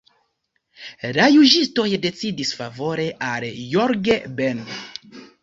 La juĝistoj decidis favore al Jorge Ben.